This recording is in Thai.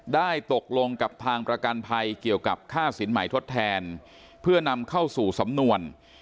ได้ตกลงกับทางประกันภัยเกี่ยวกับค่าสินใหม่ทดแทนเพื่อนำเข้าสู่สำนวน